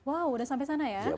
wow sudah sampai sana ya